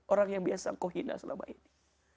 orang yang biasa engkau hina selama ini